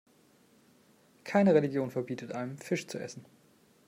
Keine Religion verbietet einem, Fisch zu essen.